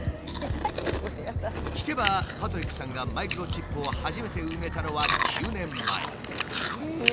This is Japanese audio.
聞けばパトリックさんがマイクロチップを初めて埋めたのは９年前。